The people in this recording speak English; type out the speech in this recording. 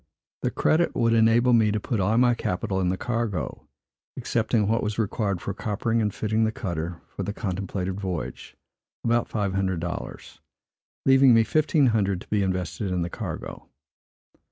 This credit would enable me to put all my capital in the cargo, excepting what was required for coppering and fitting the cutter for the contemplated voyage, about five hundred dollars; leaving me fifteen hundred to be invested in the cargo.